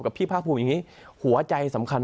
พี่ภาคภูมิอย่างนี้หัวใจสำคัญ